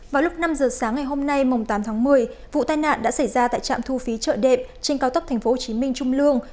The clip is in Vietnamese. vào lúc năm giờ sáng ngày hôm nay tám tháng một mươi vụ tai nạn đã xảy ra tại trạm thu phí chợ đệm trên cao tốc tp hcm trung lương